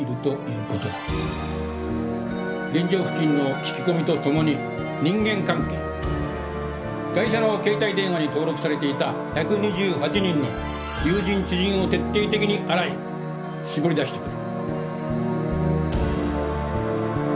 現場付近の聞き込みと共に人間関係ガイシャの携帯電話に登録されていた１２８人の友人知人を徹底的に洗い絞り出してくれ。